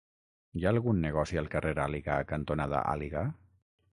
Hi ha algun negoci al carrer Àliga cantonada Àliga?